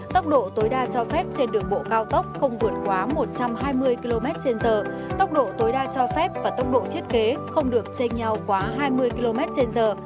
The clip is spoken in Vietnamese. tốc độ tối đa cho phép trên đường bộ cao tốc không vượt quá một trăm hai mươi km trên giờ tốc độ tối đa cho phép và tốc độ thiết kế không được chênh nhau quá hai mươi km trên giờ